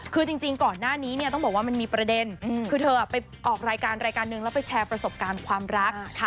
คือจริงก่อนหน้านี้เนี่ยต้องบอกว่ามันมีประเด็นคือเธอไปออกรายการรายการนึงแล้วไปแชร์ประสบการณ์ความรัก